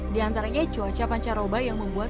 di antaranya cuaca pancaroba yang membuat